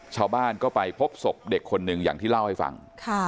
ชาวบ้านก็ไปพบศพเด็กคนหนึ่งอย่างที่เล่าให้ฟัง